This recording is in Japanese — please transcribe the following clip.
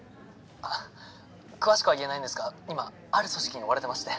あっ詳しくは言えないんですが今ある組織に追われてまして。